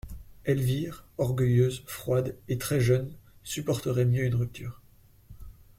Elvire, orgueilleuse froide et très jeune supporterait mieux une rupture.